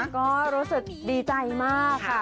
ก็รู้สึกดีใจมากค่ะ